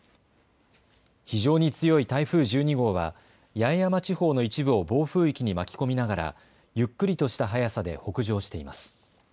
非常に強い台風１２号は八重山地方の一部を暴風域に巻き込みながら、ゆっくりとした速さで北上しています。